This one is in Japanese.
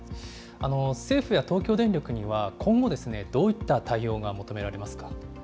政府や東京電力には、今後、どういった対応が求められますか。